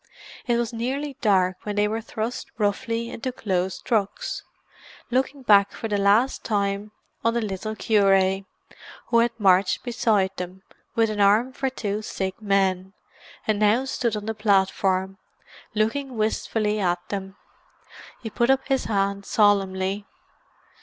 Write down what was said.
It was nearly dark when they were thrust roughly into closed trucks, looking back for the last time on the little cure, who had marched beside them, with an arm for two sick men, and now stood on the platform, looking wistfully at them. He put up his hand solemnly.